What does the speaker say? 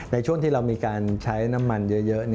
ในช่วงที่เรามีการใช้น้ำมันเยอะ